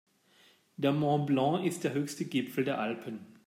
Der Mont Blanc ist der höchste Gipfel der Alpen.